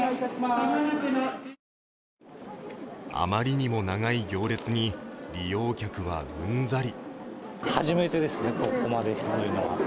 あまりにも長い行列に利用客はうんざり。